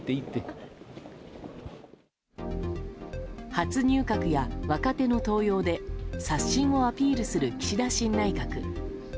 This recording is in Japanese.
初入閣や若手の登用で刷新をアピールする岸田新内閣。